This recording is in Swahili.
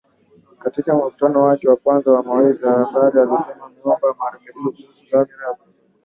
Katika mkutano wake wa kwanza na waandishi wa habari alisema ameomba marekebisho kuhusu dhamira ya kikosi chetu